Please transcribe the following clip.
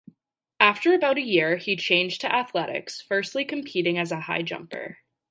After about a year, he changed to athletics, firstly competing as a high jumper.